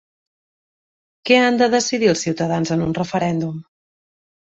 Què han de decidir els ciutadans en un referèndum?